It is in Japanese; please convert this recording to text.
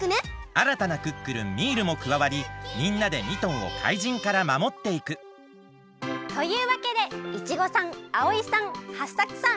あらたなクックルンミールもくわわりみんなでミトンを怪人からまもっていくというわけでイチゴさんアオイさんハッサクさん